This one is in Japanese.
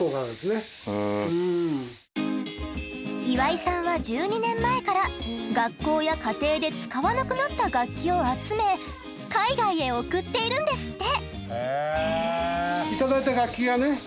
岩井さんは１２年前から学校や家庭で使わなくなった楽器を集め海外へ送っているんですって！